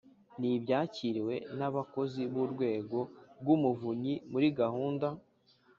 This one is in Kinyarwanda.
n ibyakiriwe n abakozi b Urwego rw Umuvunyi muri gahunda